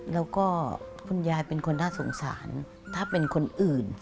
แล้วก็คุณยายเป็นคนน่าสงสารถ้าเป็นคนอื่น